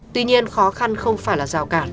tuy nhiên khó khăn không phải là rào cản